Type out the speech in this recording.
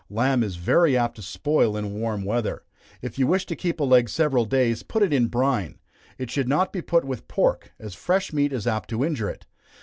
Lamb is very apt to spoil in warm weather. If you wish to keep a leg several days, put it in brine. It should not be put with pork, as fresh meat is apt to injure it.